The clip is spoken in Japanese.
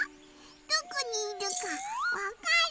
どこにいるかわかる？